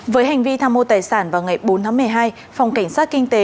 với hành vi tham mô tài sản vào ngày bốn tháng một mươi hai phòng cảnh sát kinh tế